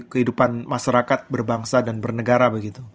kehidupan masyarakat berbangsa dan bernegara begitu